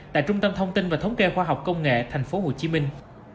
tại trung tâm thông tin và thống kê khoa học công nghệ thành phố hồ chí minh